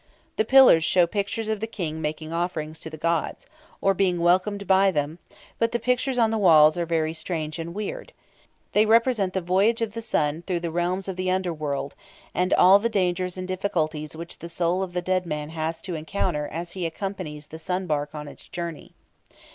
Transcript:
The pillars show pictures of the King making offerings to the gods, or being welcomed by them, but the pictures on the walls are very strange and weird. They represent the voyage of the sun through the realms of the under world, and all the dangers and difficulties which the soul of the dead man has to encounter as he accompanies the sun bark on its journey.